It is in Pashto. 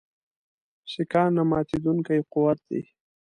سیکهان نه ماتېدونکی قوت دی.